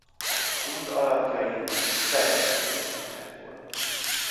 A kút alakjai feles életnagyságúak.